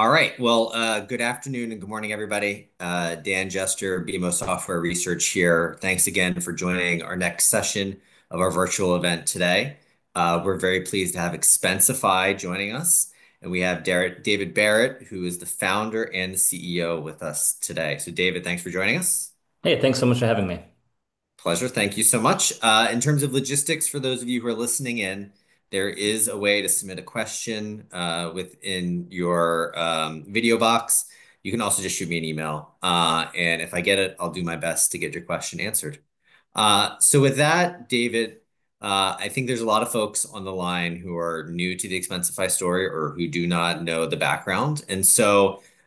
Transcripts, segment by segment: All right. Good afternoon and good morning, everybody. Dan Jester, BMO Software Research here. Thanks again for joining our next session of our virtual event today. We are very pleased to have Expensify joining us. We have David Barrett, who is the founder and CEO with us today. David, thanks for joining us. Hey, thanks so much for having me. Pleasure. Thank you so much. In terms of logistics, for those of you who are listening in, there is a way to submit a question within your video box. You can also just shoot me an email. If I get it, I'll do my best to get your question answered. With that, David, I think there are a lot of folks on the line who are new to the Expensify story or who do not know the background.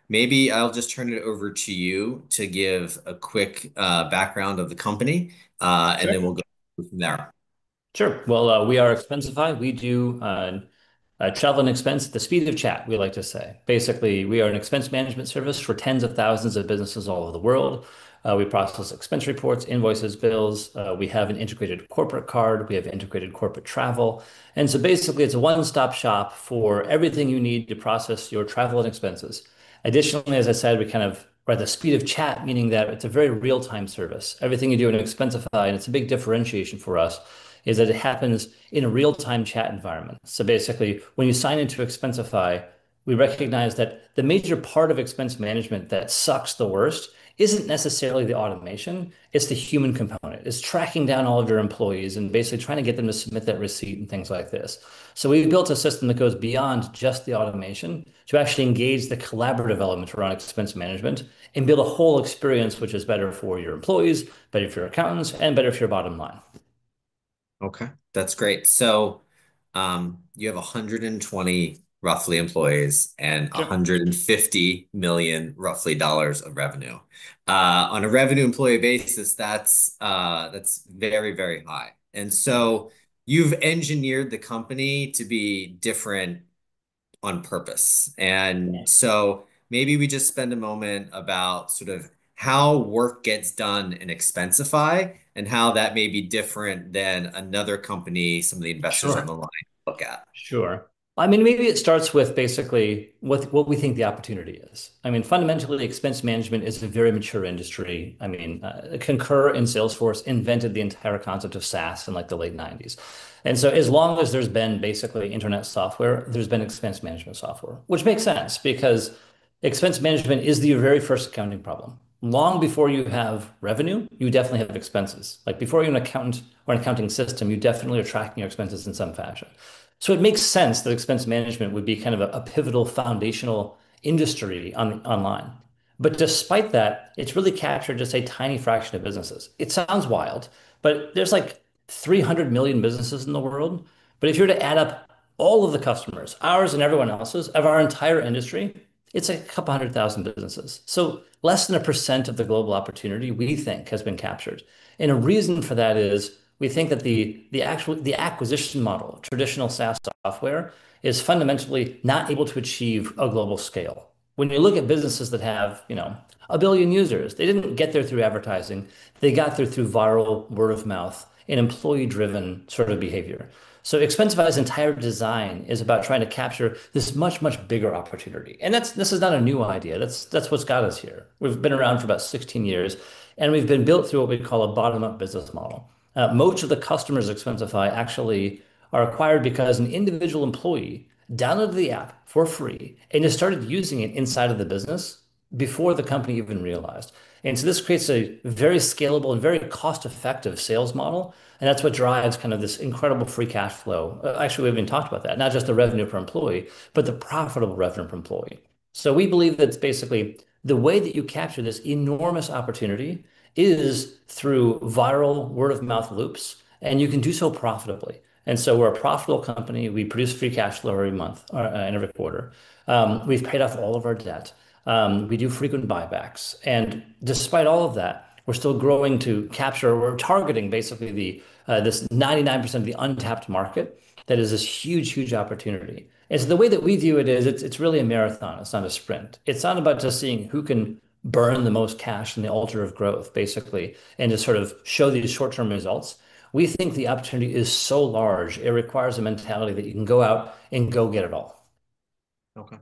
Maybe I'll just turn it over to you to give a quick background of the company, and then we'll go from there. Sure. We are Expensify. We do travel and expense at the speed of chat, we like to say. Basically, we are an expense management service for tens of thousands of businesses all over the world. We process expense reports, invoices, bills. We have an integrated corporate card. We have integrated corporate travel. Basically, it is a one-stop shop for everything you need to process your travel and expenses. Additionally, as I said, we kind of are at the speed of chat, meaning that it is a very real-time service. Everything you do in Expensify, and it is a big differentiation for us, is that it happens in a real-time chat environment. Basically, when you sign into Expensify, we recognize that the major part of expense management that sucks the worst is not necessarily the automation. It is the human component. It's tracking down all of your employees and basically trying to get them to submit that receipt and things like this. We've built a system that goes beyond just the automation to actually engage the collaborative element around expense management and build a whole experience which is better for your employees, better for your accountants, and better for your bottom line. OK, that's great. You have roughly 120 employees and $150 million roughly of revenue. On a revenue-employee basis, that's very, very high. You have engineered the company to be different on purpose. Maybe we just spend a moment about sort of how work gets done in Expensify and how that may be different than another company some of the investors on the line look at. Sure. I mean, maybe it starts with basically what we think the opportunity is. I mean, fundamentally, expense management is a very mature industry. I mean, Concur and Salesforce invented the entire concept of SaaS in like the late 1990s. As long as there's been basically internet software, there's been expense management software, which makes sense because expense management is the very first accounting problem. Long before you have revenue, you definitely have expenses. Like before you're an accountant or an accounting system, you definitely are tracking your expenses in some fashion. It makes sense that expense management would be kind of a pivotal foundational industry online. Despite that, it's really captured just a tiny fraction of businesses. It sounds wild, but there's like 300 million businesses in the world. If you were to add up all of the customers, ours and everyone else's, of our entire industry, it's a couple hundred thousand businesses. Less than 1% of the global opportunity we think has been captured. A reason for that is we think that the actual acquisition model, traditional SaaS software, is fundamentally not able to achieve a global scale. When you look at businesses that have a billion users, they didn't get there through advertising. They got there through viral word of mouth and employee-driven sort of behavior. Expensify's entire design is about trying to capture this much, much bigger opportunity. This is not a new idea. That's what's got us here. We've been around for about 16 years. We've been built through what we call a bottom-up business model. Most of the customers at Expensify actually are acquired because an individual employee downloaded the app for free and has started using it inside of the business before the company even realized. This creates a very scalable and very cost-effective sales model. That is what drives kind of this incredible free cash flow. Actually, we have not even talked about that, not just the revenue per employee, but the profitable revenue per employee. We believe that it is basically the way that you capture this enormous opportunity is through viral word-of-mouth loops. You can do so profitably. We are a profitable company. We produce free cash flow every month or every quarter. We have paid off all of our debt. We do frequent buybacks. Despite all of that, we're still growing to capture or we're targeting basically this 99% of the untapped market that is this huge, huge opportunity. The way that we view it is it's really a marathon. It's not a sprint. It's not about just seeing who can burn the most cash in the altar of growth, basically, and just sort of show these short-term results. We think the opportunity is so large, it requires a mentality that you can go out and go get it all. OK.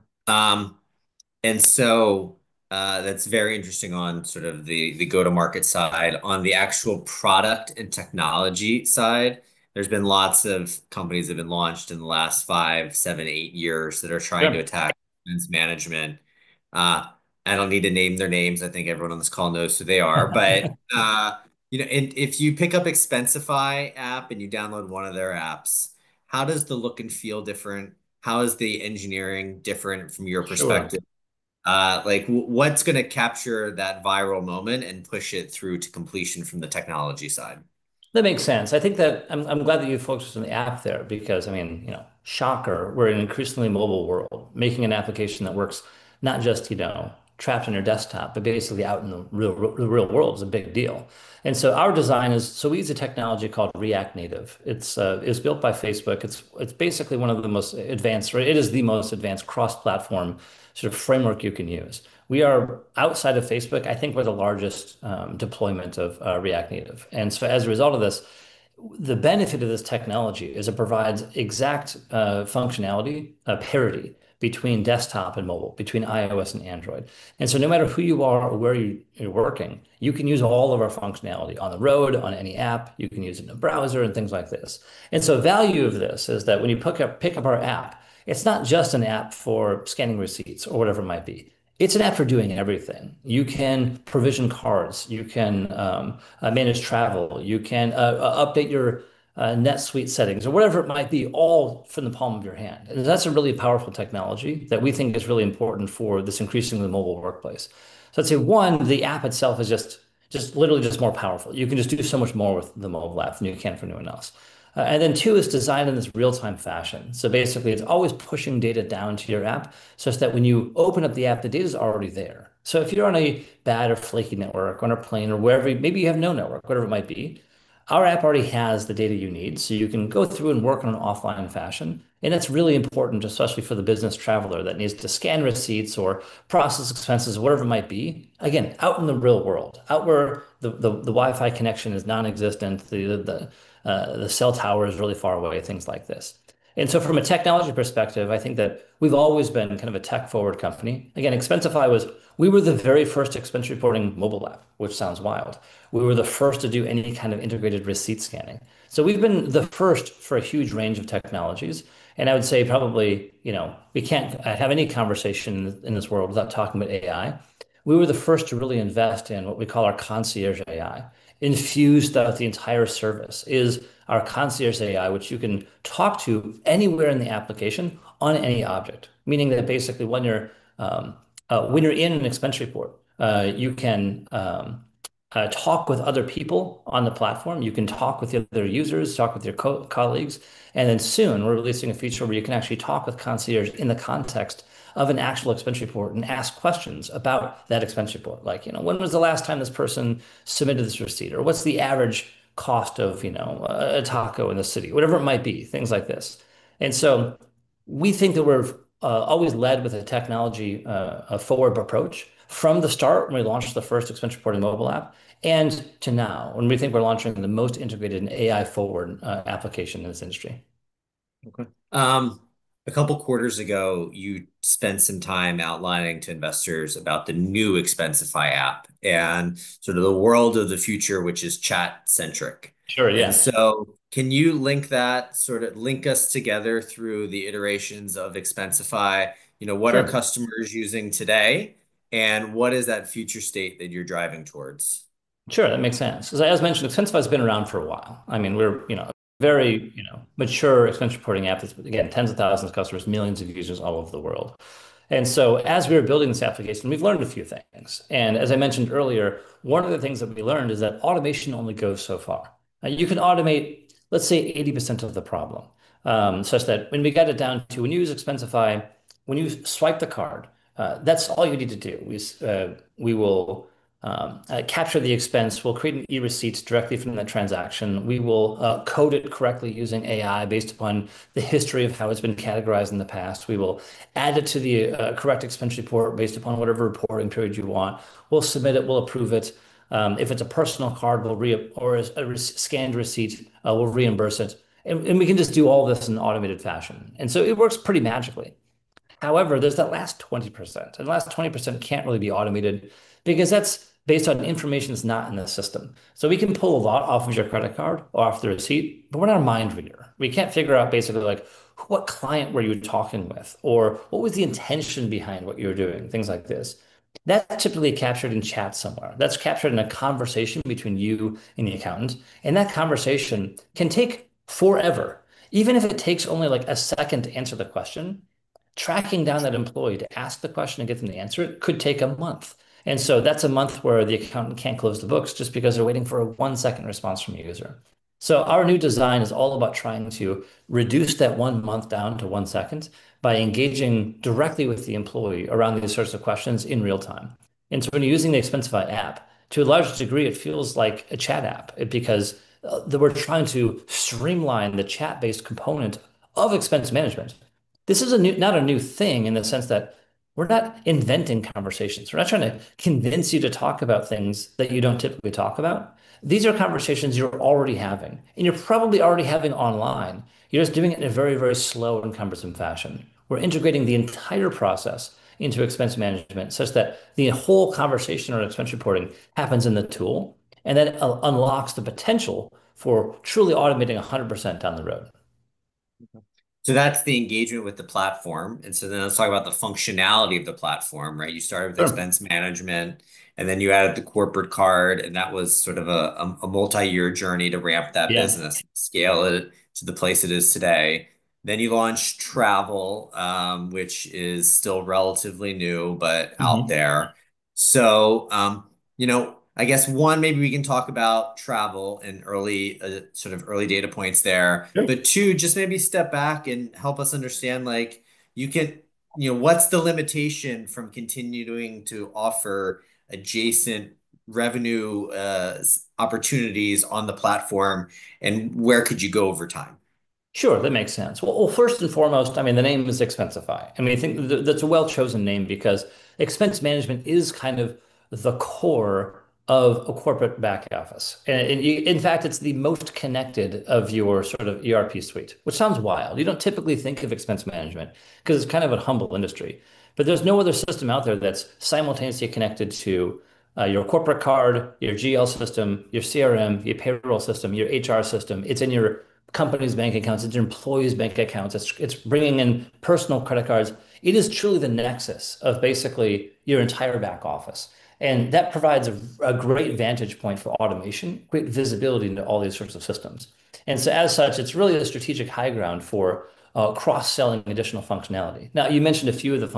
That is very interesting on sort of the go-to-market side. On the actual product and technology side, there have been lots of companies that have been launched in the last five, seven, eight years that are trying to attack expense management. I do not need to name their names. I think everyone on this call knows who they are. If you pick up the Expensify app and you download one of their apps, how does the look and feel differ? How is the engineering different from your perspective? What is going to capture that viral moment and push it through to completion from the technology side? That makes sense. I think that I'm glad that you focused on the app there because, I mean, shocker, we're in an increasingly mobile world. Making an application that works not just trapped on your desktop, but basically out in the real world is a big deal. Our design is so we use a technology called React Native. It's built by Facebook. It's basically one of the most advanced, or it is the most advanced cross-platform sort of framework you can use. We are outside of Facebook. I think we're the largest deployment of React Native. As a result of this, the benefit of this technology is it provides exact functionality parity between desktop and mobile, between iOS and Android. No matter who you are or where you're working, you can use all of our functionality on the road, on any app. You can use it in a browser and things like this. The value of this is that when you pick up our app, it is not just an app for scanning receipts or whatever it might be. It is an app for doing everything. You can provision cards. You can manage travel. You can update your NetSuite settings or whatever it might be, all from the palm of your hand. That is a really powerful technology that we think is really important for this increasingly mobile workplace. I would say, one, the app itself is just literally just more powerful. You can just do so much more with the mobile app than you can for anyone else. Two, it is designed in this real-time fashion. Basically, it is always pushing data down to your app such that when you open up the app, the data is already there. If you're on a bad or flaky network, on a plane, or wherever, maybe you have no network, whatever it might be, our app already has the data you need. You can go through and work in an offline fashion. That's really important, especially for the business traveler that needs to scan receipts or process expenses, whatever it might be, out in the real world, out where the Wi-Fi connection is non-existent, the cell tower is really far away, things like this. From a technology perspective, I think that we've always been kind of a tech-forward company. Expensify was the very first expense reporting mobile app, which sounds wild. We were the first to do any kind of integrated receipt scanning. We've been the first for a huge range of technologies. I would say probably we can't have any conversation in this world without talking about AI. We were the first to really invest in what we call our Concierge AI, infused throughout the entire service. It is our Concierge AI, which you can talk to anywhere in the application on any object, meaning that basically when you're in an expense report, you can talk with other people on the platform. You can talk with the other users, talk with your colleagues. Soon, we're releasing a feature where you can actually talk with Concierge in the context of an actual expense report and ask questions about that expense report, like, you know, when was the last time this person submitted this receipt? Or what's the average cost of a taco in the city, whatever it might be, things like this. We think that we've always led with a technology-forward approach from the start when we launched the first expense reporting mobile app and to now when we think we're launching the most integrated AI-forward application in this industry. OK. A couple quarters ago, you spent some time outlining to investors about the new Expensify app and sort of the world of the future, which is chat-centric. Sure, yeah. Can you link that, sort of link us together through the iterations of Expensify? What are customers using today? What is that future state that you're driving towards? Sure, that makes sense. As I mentioned, Expensify has been around for a while. I mean, we're a very mature expense reporting app that's, again, tens of thousands of customers, millions of users all over the world. As we were building this application, we've learned a few things. As I mentioned earlier, one of the things that we learned is that automation only goes so far. You can automate, let's say, 80% of the problem such that when we got it down to when you use Expensify, when you swipe the card, that's all you need to do. We will capture the expense. We'll create an e-receipt directly from the transaction. We will code it correctly using AI based upon the history of how it's been categorized in the past. We will add it to the correct expense report based upon whatever reporting period you want. We'll submit it. We'll approve it. If it's a personal card or a scanned receipt, we'll reimburse it. We can just do all this in an automated fashion. It works pretty magically. However, there's that last 20%. The last 20% can't really be automated because that's based on information that's not in the system. We can pull a lot off of your credit card or off the receipt, but we're not a mind reader. We can't figure out basically like what client were you talking with or what was the intention behind what you were doing, things like this. That's typically captured in chat somewhere. That's captured in a conversation between you and the accountant. That conversation can take forever. Even if it takes only like a second to answer the question, tracking down that employee to ask the question and get them to answer it could take a month. That is a month where the accountant can't close the books just because they're waiting for a one-second response from a user. Our new design is all about trying to reduce that one month down to one second by engaging directly with the employee around these sorts of questions in real time. When you're using the Expensify app, to a large degree, it feels like a chat app because we're trying to streamline the chat-based component of expense management. This is not a new thing in the sense that we're not inventing conversations. We're not trying to convince you to talk about things that you don't typically talk about. These are conversations you're already having and you're probably already having online. You're just doing it in a very, very slow and cumbersome fashion. We're integrating the entire process into expense management such that the whole conversation or expense reporting happens in the tool. That unlocks the potential for truly automating 100% down the road. That's the engagement with the platform. Let's talk about the functionality of the platform, right? You started with expense management, and then you added the corporate card. That was sort of a multi-year journey to ramp that business, scale it to the place it is today. You launched travel, which is still relatively new but out there. I guess, one, maybe we can talk about travel and sort of early data points there. Two, just maybe step back and help us understand what's the limitation from continuing to offer adjacent revenue opportunities on the platform, and where could you go over time? Sure, that makes sense. First and foremost, I mean, the name is Expensify. I mean, I think that's a well-chosen name because expense management is kind of the core of a corporate back office. In fact, it's the most connected of your sort of ERP suite, which sounds wild. You don't typically think of expense management because it's kind of a humble industry. There's no other system out there that's simultaneously connected to your corporate card, your GL system, your CRM, your payroll system, your HR system. It's in your company's bank accounts. It's in employees' bank accounts. It's bringing in personal credit cards. It is truly the nexus of basically your entire back office. That provides a great vantage point for automation, great visibility into all these sorts of systems. As such, it's really a strategic high ground for cross-selling additional functionality. Now, you mentioned a few of the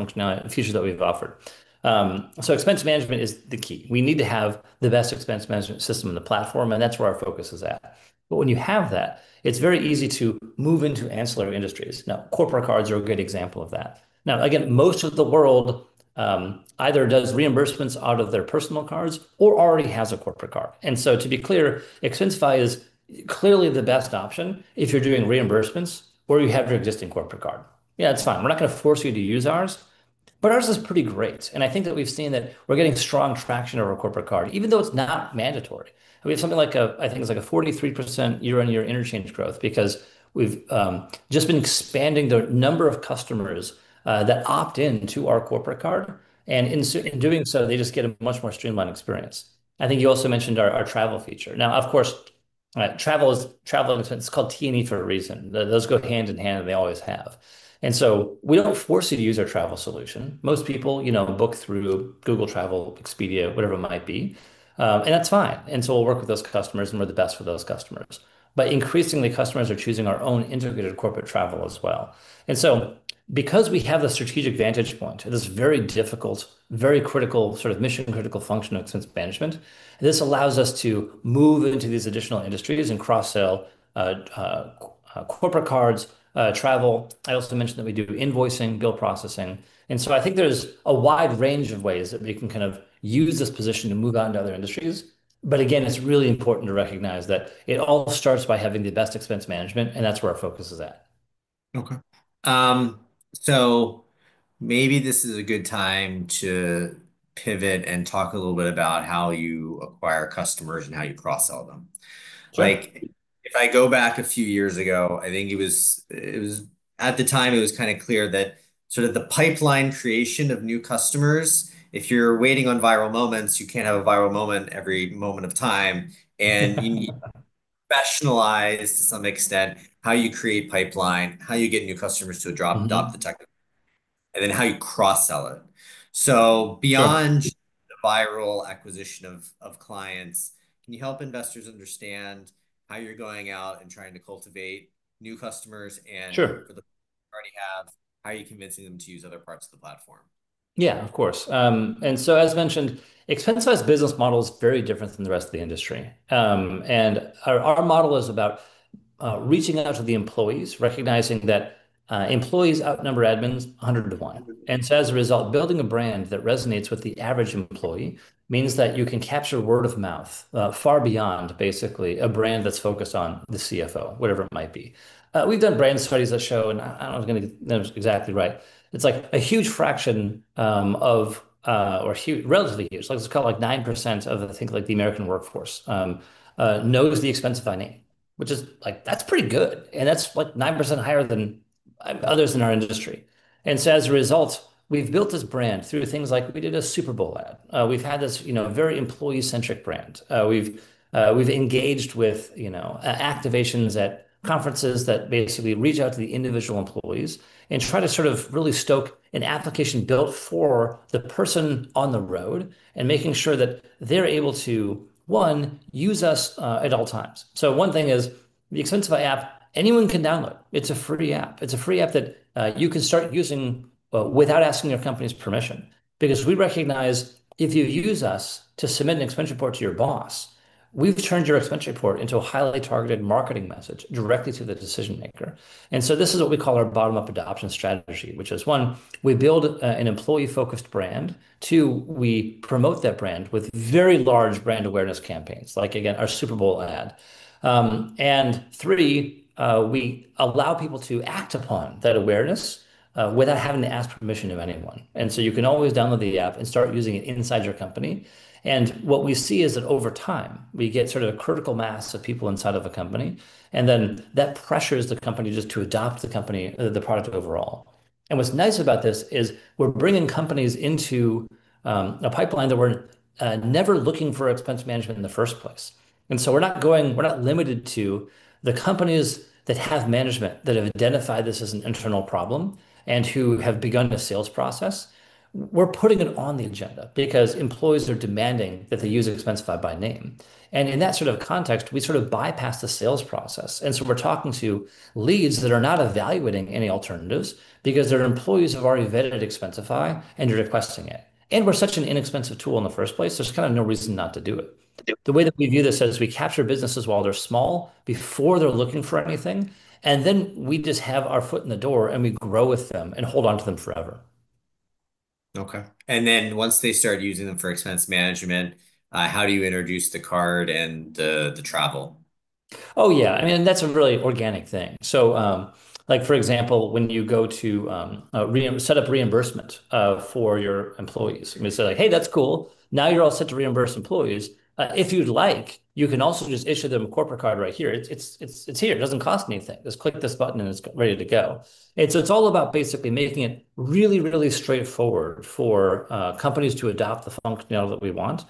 features that we've offered. Expense management is the key. We need to have the best expense management system in the platform. That is where our focus is at. When you have that, it is very easy to move into ancillary industries. Corporate cards are a good example of that. Again, most of the world either does reimbursements out of their personal cards or already has a corporate card. To be clear, Expensify is clearly the best option if you're doing reimbursements or you have your existing corporate card. Yeah, it's fine. We're not going to force you to use ours. Ours is pretty great. I think that we've seen that we're getting strong traction on our corporate card, even though it's not mandatory. We have something like, I think it's like a 43% year-on-year interchange growth because we've just been expanding the number of customers that opt into our corporate card. In doing so, they just get a much more streamlined experience. I think you also mentioned our travel feature. Now, of course, travel is travel. It's called T&E for a reason. Those go hand in hand. They always have. We don't force you to use our travel solution. Most people book through Google Travel, Expedia, whatever it might be. That's fine. We will work with those customers, and we're the best for those customers. Increasingly, customers are choosing our own integrated corporate travel as well. Because we have the strategic vantage point, this very difficult, very critical sort of mission-critical function of expense management, this allows us to move into these additional industries and cross-sell corporate cards, travel. I also mentioned that we do invoicing, bill processing. I think there's a wide range of ways that we can kind of use this position to move out into other industries. Again, it's really important to recognize that it all starts by having the best expense management, and that's where our focus is at. OK. Maybe this is a good time to pivot and talk a little bit about how you acquire customers and how you cross-sell them. If I go back a few years ago, I think it was at the time, it was kind of clear that sort of the pipeline creation of new customers, if you're waiting on viral moments, you can't have a viral moment every moment of time. You need to professionalize to some extent how you create pipeline, how you get new customers to adopt the technology, and then how you cross-sell it. Beyond the viral acquisition of clients, can you help investors understand how you're going out and trying to cultivate new customers? For the customers you already have, how are you convincing them to use other parts of the platform? Yeah, of course. As mentioned, Expensify's business model is very different from the rest of the industry. Our model is about reaching out to the employees, recognizing that employees outnumber admins 100 to 1. As a result, building a brand that resonates with the average employee means that you can capture word of mouth far beyond basically a brand that's focused on the CFO, whatever it might be. We've done brand studies that show, and I don't know if I'm going to get them exactly right. It's like a huge fraction of, or relatively huge, like it's called like 9% of, I think, like the American workforce knows the Expensify name, which is like, that's pretty good. That's like 9% higher than others in our industry. As a result, we've built this brand through things like we did a Super Bowl ad. We've had this very employee-centric brand. We've engaged with activations at conferences that basically reach out to the individual employees and try to sort of really stoke an application built for the person on the road and making sure that they're able to, one, use us at all times. One thing is the Expensify app, anyone can download. It's a free app. It's a free app that you can start using without asking your company's permission. Because we recognize if you use us to submit an expense report to your boss, we've turned your expense report into a highly targeted marketing message directly to the decision maker. This is what we call our bottom-up adoption strategy, which is, one, we build an employee-focused brand. Two, we promote that brand with very large brand awareness campaigns, like, again, our Super Bowl ad. We allow people to act upon that awareness without having to ask permission of anyone. You can always download the app and start using it inside your company. What we see is that over time, we get sort of a critical mass of people inside of a company. That pressures the company just to adopt the product overall. What's nice about this is we're bringing companies into a pipeline that were never looking for expense management in the first place. We're not limited to the companies that have management that have identified this as an internal problem and who have begun a sales process. We're putting it on the agenda because employees are demanding that they use Expensify by name. In that sort of context, we sort of bypass the sales process. We're talking to leads that are not evaluating any alternatives because their employees have already vetted Expensify and are requesting it. We're such an inexpensive tool in the first place, there's kind of no reason not to do it. The way that we view this is we capture businesses while they're small before they're looking for anything. We just have our foot in the door and we grow with them and hold on to them forever. OK. Once they start using them for expense management, how do you introduce the card and the travel? Oh, yeah. I mean, that's a really organic thing. Like, for example, when you go to set up reimbursement for your employees, you say, like, hey, that's cool. Now you're all set to reimburse employees. If you'd like, you can also just issue them a corporate card right here. It's here. It doesn't cost anything. Just click this button and it's ready to go. It's all about basically making it really, really straightforward for companies to adopt the functionality that we want,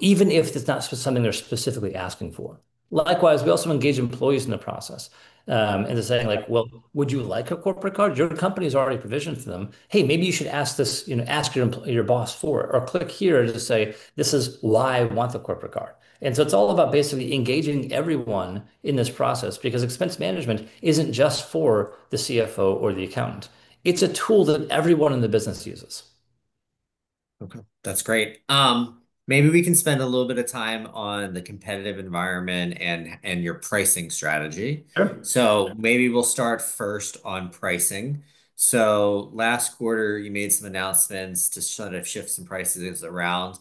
even if it's not something they're specifically asking for. Likewise, we also engage employees in the process and say, like, well, would you like a corporate card? Your company has already provisioned for them. Hey, maybe you should ask your boss for it or click here to say, this is why I want the corporate card. It's all about basically engaging everyone in this process because expense management isn't just for the CFO or the accountant. It's a tool that everyone in the business uses. OK. That's great. Maybe we can spend a little bit of time on the competitive environment and your pricing strategy. Maybe we'll start first on pricing. Last quarter, you made some announcements to sort of shift some prices around.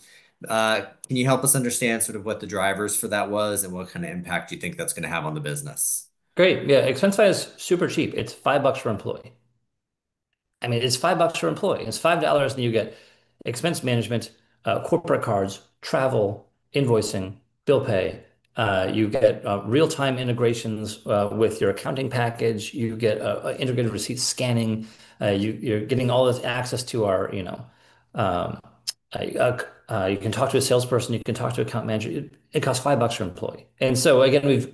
Can you help us understand sort of what the drivers for that was and what kind of impact you think that's going to have on the business? Great. Yeah, Expensify is super cheap. It's $5 per employee. I mean, it's $5 per employee. It's $5 and you get expense management, corporate cards, travel, invoicing, bill pay. You get real-time integrations with your accounting package. You get integrated receipt scanning. You're getting all this access to our, you can talk to a salesperson. You can talk to account manager. It costs $5 per employee. Again,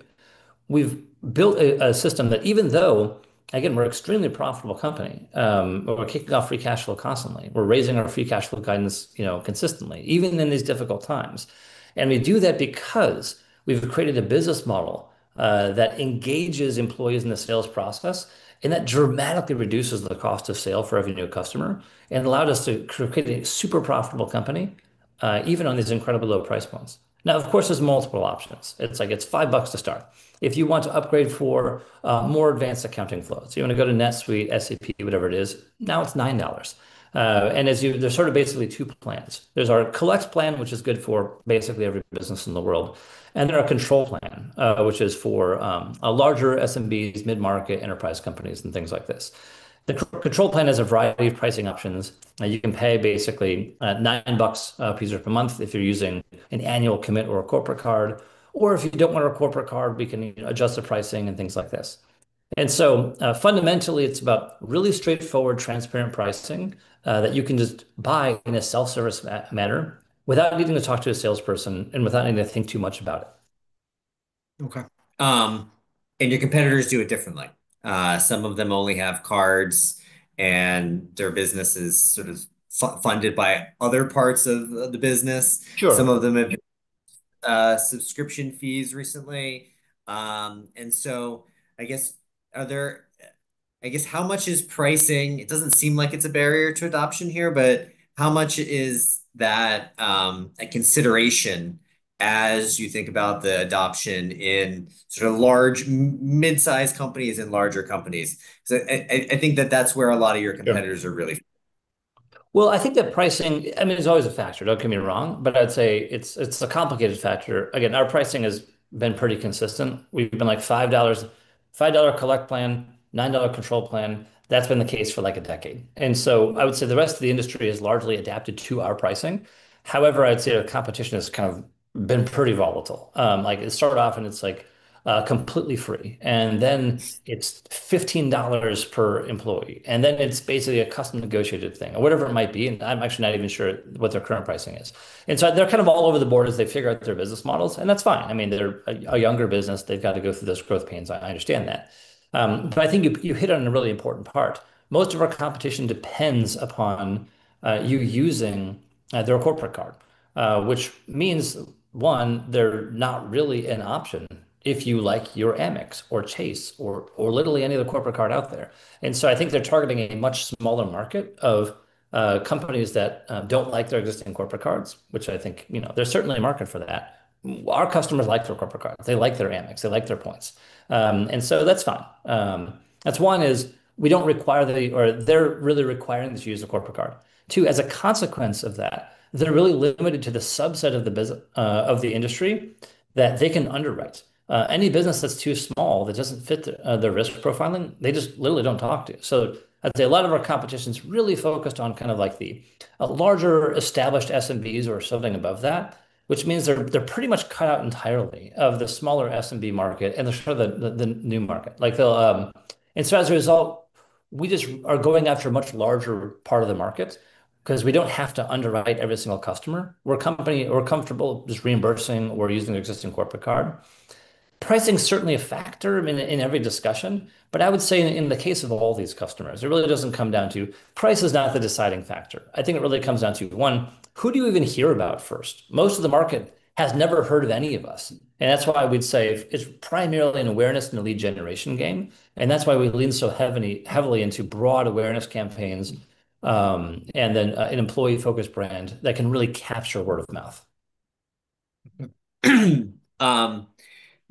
we've built a system that, even though we're an extremely profitable company, we're kicking off free cash flow constantly. We're raising our free cash flow guidance consistently, even in these difficult times. We do that because we've created a business model that engages employees in the sales process and that dramatically reduces the cost of sale for every new customer and allowed us to create a super profitable company, even on these incredibly low price points. Now, of course, there's multiple options. It's like it's $5 to start. If you want to upgrade for more advanced accounting flows, you want to go to NetSuite, SAP, whatever it is, now it's $9. There are sort of basically two plans. There's our collect plan, which is good for basically every business in the world. There are control plan, which is for larger SMBs, mid-market enterprise companies, and things like this. The control plan has a variety of pricing options. You can pay basically $9 per user per month if you're using an annual commit or a corporate card. If you don't want a corporate card, we can adjust the pricing and things like this. Fundamentally, it's about really straightforward, transparent pricing that you can just buy in a self-service manner without needing to talk to a salesperson and without needing to think too much about it. OK. Your competitors do it differently. Some of them only have cards, and their business is sort of funded by other parts of the business. Some of them have subscription fees recently. I guess, how much is pricing? It does not seem like it is a barrier to adoption here, but how much is that a consideration as you think about the adoption in large mid-sized companies and larger companies? I think that is where a lot of your competitors are really. I think that pricing, I mean, it's always a factor. Don't get me wrong. I'd say it's a complicated factor. Again, our pricing has been pretty consistent. We've been like $5 collect plan, $9 control plan. That's been the case for like a decade. I would say the rest of the industry has largely adapted to our pricing. However, I'd say the competition has kind of been pretty volatile. It started off and it's like completely free. Then it's $15 per employee. Then it's basically a custom negotiated thing or whatever it might be. I'm actually not even sure what their current pricing is. They're kind of all over the board as they figure out their business models. That's fine. I mean, they're a younger business. They've got to go through those growth pains. I understand that. I think you hit on a really important part. Most of our competition depends upon you using their corporate card, which means, one, they're not really an option if you like your Amex or Chase or literally any other corporate card out there. I think they're targeting a much smaller market of companies that don't like their existing corporate cards, which I think there's certainly a market for that. Our customers like their corporate cards. They like their Amex. They like their points. That's fine. One is we don't require the or they're really requiring that you use a corporate card. Two, as a consequence of that, they're really limited to the subset of the industry that they can underwrite. Any business that's too small that doesn't fit their risk profiling, they just literally don't talk to you. I'd say a lot of our competition is really focused on kind of like the larger established SMBs or something above that, which means they're pretty much cut out entirely of the smaller SMB market and the new market. As a result, we just are going after a much larger part of the market because we don't have to underwrite every single customer. We're comfortable just reimbursing or using an existing corporate card. Pricing is certainly a factor in every discussion. I would say in the case of all these customers, it really doesn't come down to price is not the deciding factor. I think it really comes down to, one, who do you even hear about first? Most of the market has never heard of any of us. That's why we'd say it's primarily an awareness and a lead generation game. That's why we lean so heavily into broad awareness campaigns and then an employee-focused brand that can really capture word of mouth.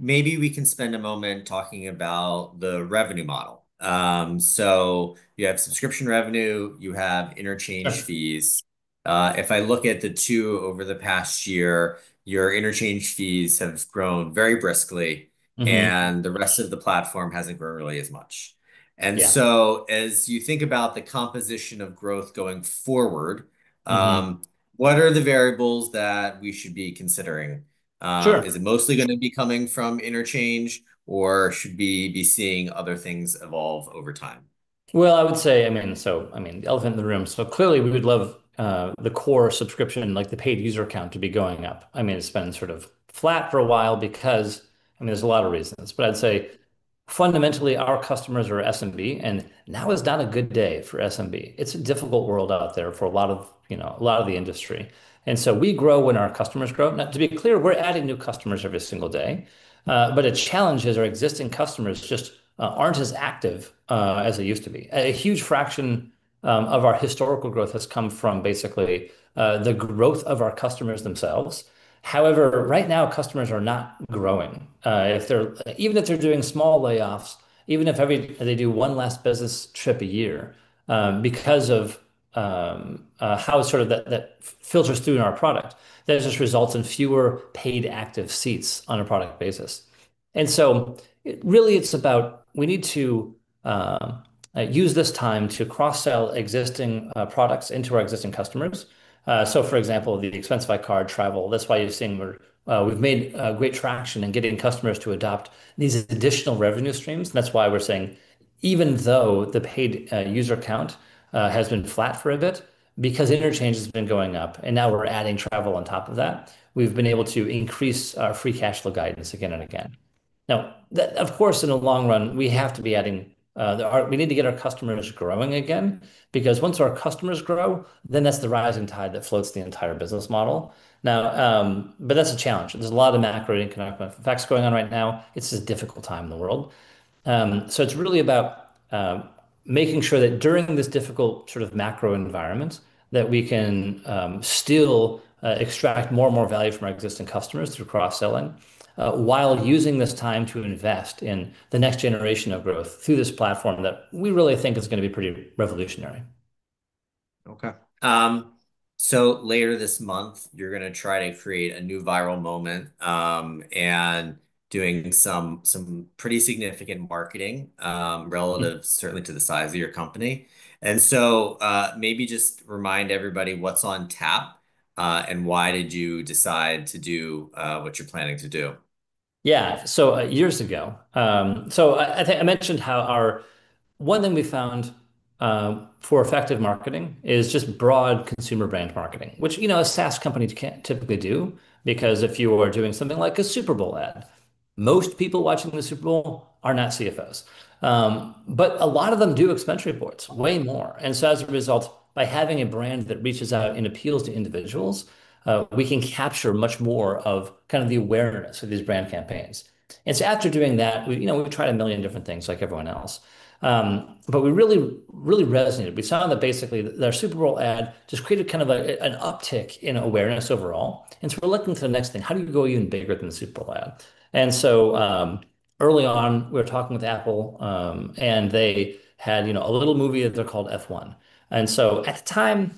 Maybe we can spend a moment talking about the revenue model. You have subscription revenue. You have interchange fees. If I look at the two over the past year, your interchange fees have grown very briskly. The rest of the platform has not grown really as much. As you think about the composition of growth going forward, what are the variables that we should be considering? Is it mostly going to be coming from interchange or should we be seeing other things evolve over time? I would say, I mean, the elephant in the room. Clearly, we would love the core subscription, like the paid user account, to be going up. I mean, it's been sort of flat for a while because, I mean, there's a lot of reasons. I'd say fundamentally, our customers are SMB. Now is not a good day for SMB. It's a difficult world out there for a lot of the industry. We grow when our customers grow. Now, to be clear, we're adding new customers every single day. It challenges our existing customers just aren't as active as they used to be. A huge fraction of our historical growth has come from basically the growth of our customers themselves. However, right now, customers are not growing. Even if they're doing small layoffs, even if they do one last business trip a year because of how sort of that filters through in our product, that just results in fewer paid active seats on a product basis. It is really about we need to use this time to cross-sell existing products into our existing customers. For example, the Expensify Card, travel, that is why you're seeing we've made great traction in getting customers to adopt these additional revenue streams. That is why we're saying even though the paid user count has been flat for a bit because interchange has been going up and now we're adding travel on top of that, we've been able to increase our free cash flow guidance again and again. Of course, in the long run, we have to be adding we need to get our customers growing again. Because once our customers grow, then that's the rising tide that floats the entire business model. Now, that's a challenge. There's a lot of macro and economic facts going on right now. It's a difficult time in the world. It's really about making sure that during this difficult sort of macro environment that we can still extract more and more value from our existing customers through cross-selling while using this time to invest in the next generation of growth through this platform that we really think is going to be pretty revolutionary. OK. Later this month, you're going to try to create a new viral moment and doing some pretty significant marketing relative certainly to the size of your company. Maybe just remind everybody what's on tap and why did you decide to do what you're planning to do. Yeah. Years ago, I mentioned how one thing we found for effective marketing is just broad consumer brand marketing, which a SaaS company can't typically do because if you are doing something like a Super Bowl ad, most people watching the Super Bowl are not CFOs. A lot of them do expense reports way more. As a result, by having a brand that reaches out and appeals to individuals, we can capture much more of the awareness of these brand campaigns. After doing that, we tried a million different things like everyone else. We really, really resonated. We saw that basically their Super Bowl ad just created an uptick in awareness overall. We're looking to the next thing. How do you go even bigger than the Super Bowl ad? Early on, we were talking with Apple. They had a little movie that they're calling F1. At the time,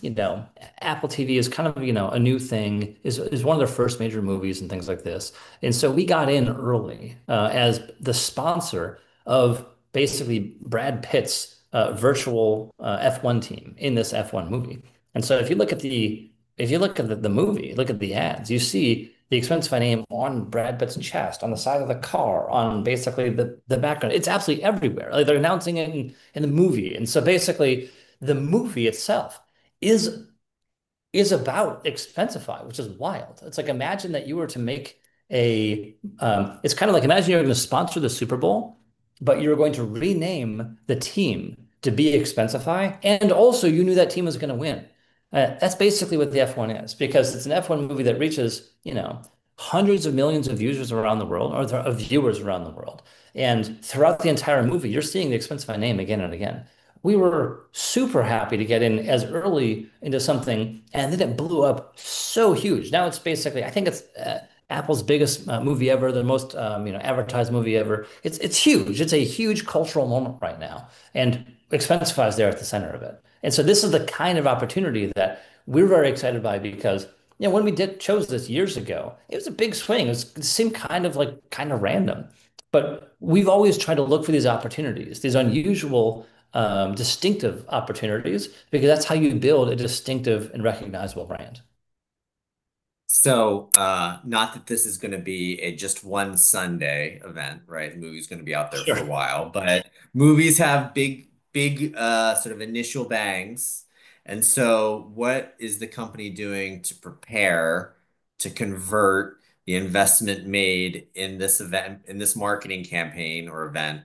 Apple TV is kind of a new thing, it is one of their first major movies and things like this. We got in early as the sponsor of basically Brad Pitt's virtual F1 team in this F1 movie. If you look at the movie, look at the ads, you see the Expensify name on Brad Pitt's chest, on the side of the car, on basically the background. It's absolutely everywhere. They're announcing it in the movie. Basically, the movie itself is about Expensify, which is wild. It's like imagine that you were to make a, it's kind of like imagine you're going to sponsor the Super Bowl, but you're going to rename the team to be Expensify. Also, you knew that team was going to win. That's basically what the F1 is because it's an F1 movie that reaches hundreds of millions of users around the world or viewers around the world. Throughout the entire movie, you're seeing the Expensify name again and again. We were super happy to get in as early into something, and then it blew up so huge. Now it's basically, I think it's Apple's biggest movie ever, the most advertised movie ever. It's huge. It's a huge cultural moment right now, and Expensify is there at the center of it. This is the kind of opportunity that we're very excited by because when we chose this years ago, it was a big swing. It seemed kind of like kind of random. But we've always tried to look for these opportunities, these unusual, distinctive opportunities because that's how you build a distinctive and recognizable brand. Not that this is going to be a just one Sunday event, right? Movie's going to be out there for a while. Movies have big sort of initial bangs. What is the company doing to prepare to convert the investment made in this event, in this marketing campaign or event,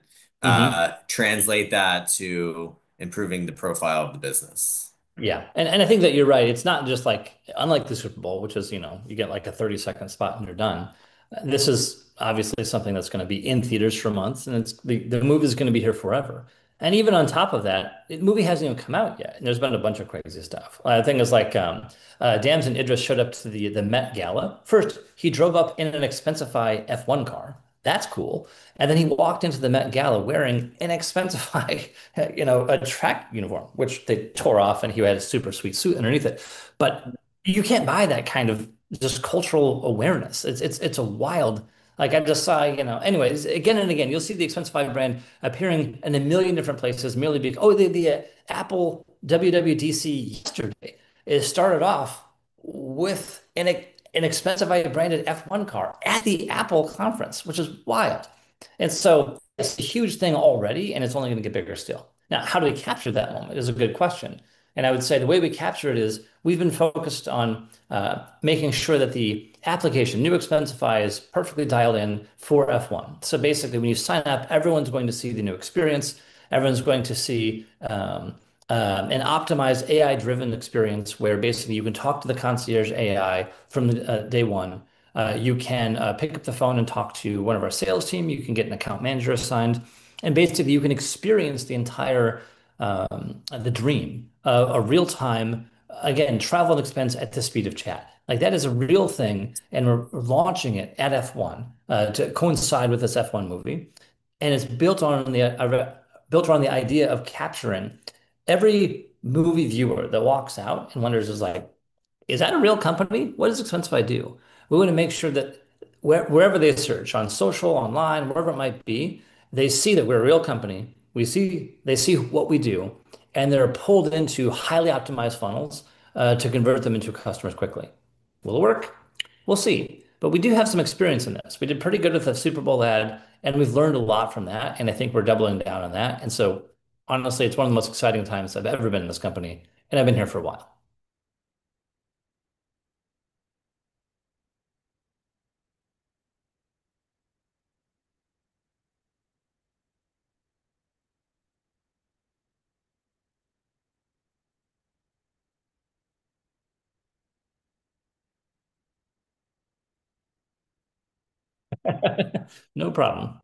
translate that to improving the profile of the business? Yeah. I think that you're right. It's not just like unlike the Super Bowl, which is you get like a 30-second spot and you're done. This is obviously something that's going to be in theaters for months. The movie is going to be here forever. Even on top of that, the movie hasn't even come out yet. There's been a bunch of crazy stuff. I think it's like Damson Idris showed up to the Met Gala. First, he drove up in an Expensify F1 car. That's cool. Then he walked into the Met Gala wearing an Expensify track uniform, which they tore off. He had a super sweet suit underneath it. You can't buy that kind of just cultural awareness. It's a wild like I just saw. Anyways, again and again, you'll see the Expensify brand appearing in a million different places merely because, oh, the Apple WWDC yesterday started off with an Expensify branded F1 car at the Apple conference, which is wild. It is a huge thing already. It is only going to get bigger still. Now, how do we capture that moment is a good question. I would say the way we capture it is we've been focused on making sure that the application, new Expensify, is perfectly dialed in for F1. Basically, when you sign up, everyone's going to see the new experience. Everyone's going to see an optimized AI-driven experience where basically you can talk to the concierge AI from day one. You can pick up the phone and talk to one of our sales team. You can get an account manager assigned. Basically, you can experience the entire dream of a real-time, again, travel and expense at the speed of chat. That is a real thing. We're launching it at F1 to coincide with this F1 movie. It's built on the idea of capturing every movie viewer that walks out and wonders, like, is that a real company? What does Expensify do? We want to make sure that wherever they search on social, online, wherever it might be, they see that we're a real company. They see what we do. They're pulled into highly optimized funnels to convert them into customers quickly. Will it work? We'll see. We do have some experience in this. We did pretty good with the Super Bowl ad. We've learned a lot from that. I think we're doubling down on that. Honestly, it's one of the most exciting times I've ever been in this company. And I've been here for a while. No problem.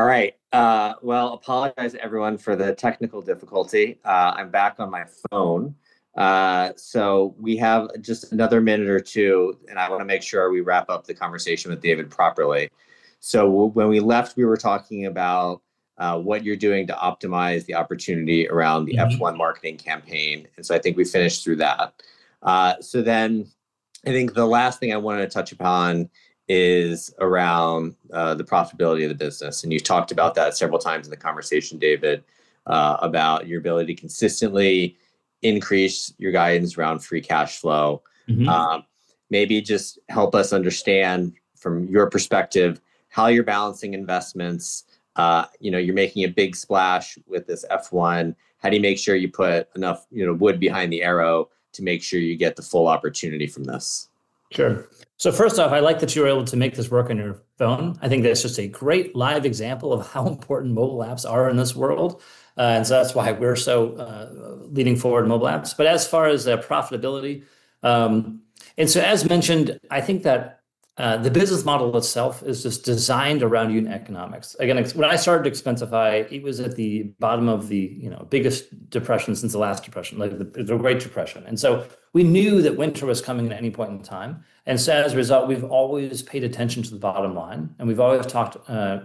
All right. Apologize, everyone, for the technical difficulty. I'm back on my phone. We have just another minute or two, and I want to make sure we wrap up the conversation with David properly. When we left, we were talking about what you're doing to optimize the opportunity around the F1 marketing campaign. I think we finished through that. The last thing I wanted to touch upon is around the profitability of the business. You've talked about that several times in the conversation, David, about your ability to consistently increase your guidance around free cash flow. Maybe just help us understand from your perspective how you're balancing investments. You're making a big splash with this F1. How do you make sure you put enough wood behind the arrow to make sure you get the full opportunity from this? Sure. First off, I like that you were able to make this work on your phone. I think that's just a great live example of how important mobile apps are in this world. That is why we're so leaning forward to mobile apps. As far as profitability, as mentioned, I think that the business model itself is just designed around unit economics. Again, when I started Expensify, it was at the bottom of the biggest depression since the last depression, the Great Depression. We knew that winter was coming at any point in time. As a result, we've always paid attention to the bottom line. We've always talked,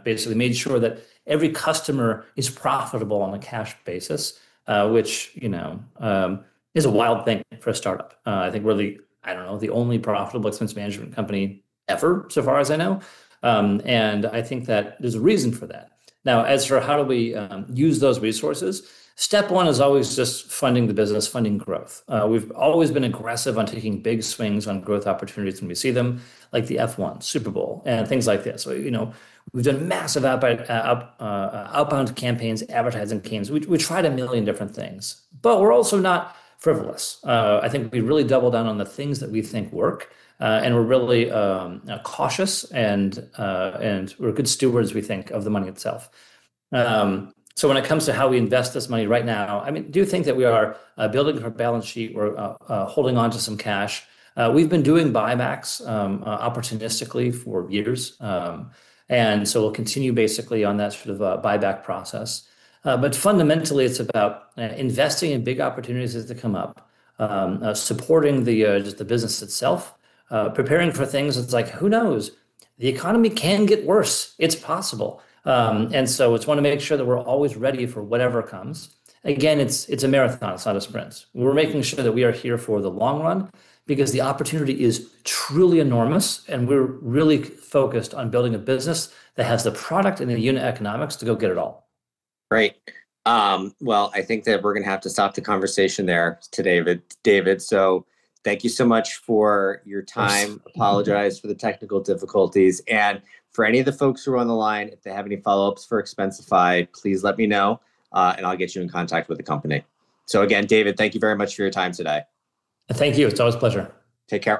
basically made sure that every customer is profitable on a cash basis, which is a wild thing for a startup. I think we're the, I don't know, the only profitable expense management company ever, so far as I know. I think that there's a reason for that. Now, as for how do we use those resources, step one is always just funding the business, funding growth. We've always been aggressive on taking big swings on growth opportunities when we see them, like the F1, Super Bowl, and things like this. We've done massive outbound campaigns, advertising campaigns. We tried a million different things. We're also not frivolous. I think we really double down on the things that we think work. We're really cautious. We're good stewards, we think, of the money itself. When it comes to how we invest this money right now, I mean, do you think that we are building our balance sheet or holding on to some cash? We've been doing buybacks opportunistically for years. We'll continue basically on that sort of buyback process. Fundamentally, it's about investing in big opportunities as they come up, supporting just the business itself, preparing for things. It's like, who knows? The economy can get worse. It's possible. We just want to make sure that we're always ready for whatever comes. Again, it's a marathon. It's not a sprint. We're making sure that we are here for the long run because the opportunity is truly enormous. We're really focused on building a business that has the product and the unit economics to go get it all. Great. I think that we're going to have to stop the conversation there today, David. Thank you so much for your time. Apologize for the technical difficulties. For any of the folks who are on the line, if they have any follow-ups for Expensify, please let me know. I'll get you in contact with the company. Again, David, thank you very much for your time today. Thank you. It's always a pleasure. Take care.